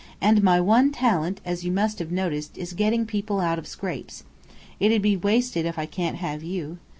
"And my one talent, as you must have noticed, is getting people out of scrapes. It'll be wasted if I can't have you.